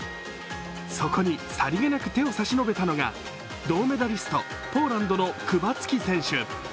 そこにさりげなく手を差し伸べたのが銅メダリスト、ポーランドのクバツキ選手。